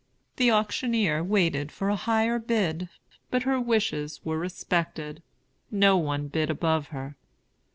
The auctioneer waited for a higher bid; but her wishes were respected; no one bid above her.